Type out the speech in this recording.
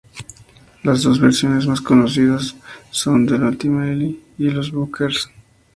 Las dos versiones más conocidas son de Inti Illimani y Los Bunkers.